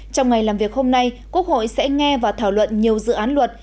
trong ngày làm việc hôm nay quốc hội sẽ nghe và thảo luận nhiều dự án luật